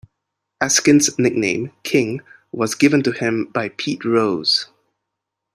Eskin's nickname, "King", was given to him by Pete Rose.